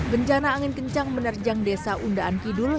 bencana angin kencang menerjang desa undaan kidul